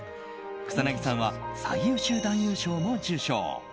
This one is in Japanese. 草なぎさんは最優秀男優賞も受賞。